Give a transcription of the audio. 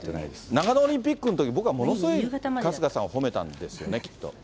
長野オリンピックのとき、僕、ものすごい春日さんを褒めたんですよね。